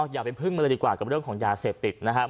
อย่าไปพึ่งมาเลยดีกว่ากับเรื่องของยาเสพติดนะครับ